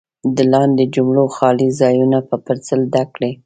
د لاندې جملو خالي ځایونه په پنسل ډک کړئ.